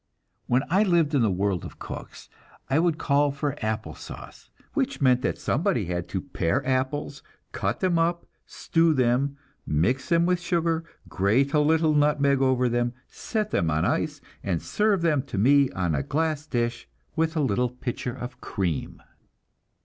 When I lived in the world of cooks, I would call for apple sauce; which meant that somebody had to pare apples, cut them up, stew them, mix them with sugar, grate a little nutmeg over them, set them on ice, and serve them to me on a glass dish, with a little pitcher of cream.